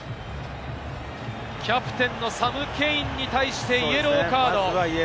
キャプテン、サム・ケインに対してイエローカード。